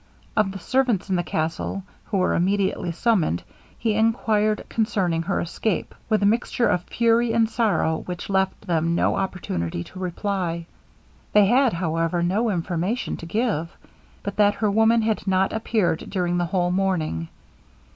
Of the servants of the castle, who were immediately summoned, he enquired concerning her escape, with a mixture of fury and sorrow which left them no opportunity to reply. They had, however, no information to give, but that her woman had not appeared during the whole morning.